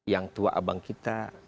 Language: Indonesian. yang tua abang kita